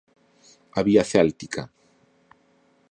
A vía céltica.